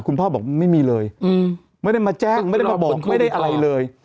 คุณพ่อบอกไม่มีเลยไม่ได้มาแจ้งไม่ได้มาบอกไม่ได้อะไรเลย